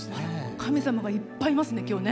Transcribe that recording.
神様がいっぱいいますね今日ね。